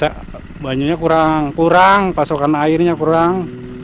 ya banyunya kurang kurang pasokan airnya kurang